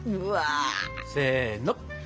せの。